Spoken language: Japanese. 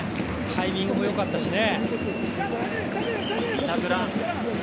タイミングもよかったしね。